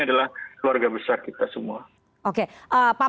adalah keluarga besar kita semua oke pak